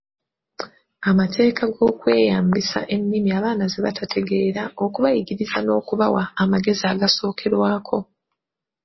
Amateeka g’okweyambisa ennimi abaana ze batategeera okubayigiriza n’okubawa amagezi agasookerwako.